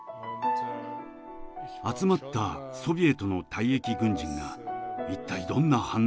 集まったソビエトの退役軍人が一体どんな反応をするのか。